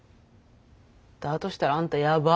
だとしたらあんたヤバッ。